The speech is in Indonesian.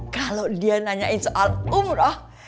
kalau dia nanyain soal umroh